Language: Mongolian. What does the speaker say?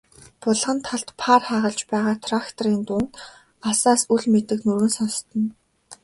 Булган талд паар хагалж байгаа тракторын дуун алсаас үл мэдэг нүргэн сонстоно.